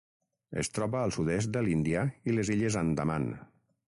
Es troba al sud-est de l'Índia i les Illes Andaman.